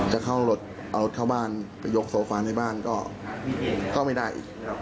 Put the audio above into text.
จะเอารถเข้าบ้านไปยกโซฟานในบ้านก็ไม่ได้